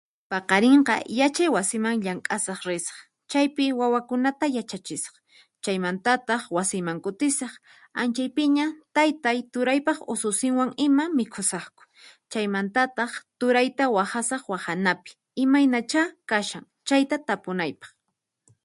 Paqarinqa yachay wasiman llamk'asaq risaq, chaypi wawakunata yachachisaq, chaymantataq wasiyman kutisaq, anchaypiña taytay, turaypaq ususinwan ima, mikhusaqku. Chaymantataq turayta waqhasaq waqhanapi imaynachá kashan chayta tapunaypaq.